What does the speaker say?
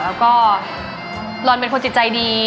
แล้วก็ลอนเป็นคนจิตใจดี